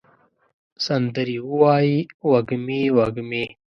سندرې ووایې وږمې، وږمې